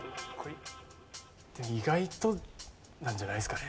意外となんじゃないですかね？